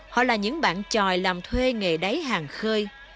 họ là những bạn tròi làm thuê nghề đáy hàng khơi